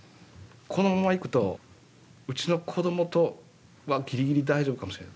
このまま行くとうちの子どもはギリギリ大丈夫かもしれない。